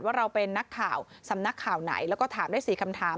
ว่าเราเป็นนักข่าวสำนักข่าวไหนแล้วก็ถามได้๔คำถาม